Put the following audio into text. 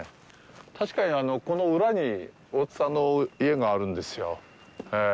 たしか、この裏に大津さんの家があるんですよ。